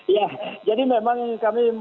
ya jadi memang kami